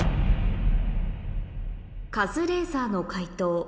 カズレーザーの解答